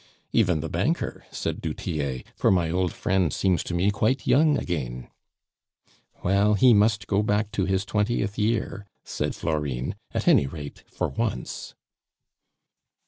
"Even the banker," said du Tillet, "for my old friend seems to me quite young again." "Well, he must go back to his twentieth year," said Florine; "at any rate, for once."